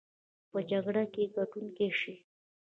په جګړه کې ګټونکي شي.